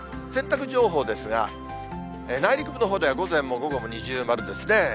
洗濯情報ですが、内陸部のほうでは午前も午後も二重丸ですね。